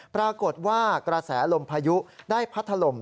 ปรากฏว่ากระแสลมพายุได้พัดถล่ม